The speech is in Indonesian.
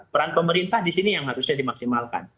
peran pemerintah di sini yang harusnya dimaksimalkan